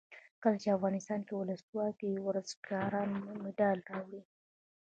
کله چې افغانستان کې ولسواکي وي ورزشکاران مډال راوړي.